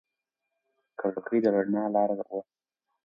کړکۍ د رڼا لاره وه.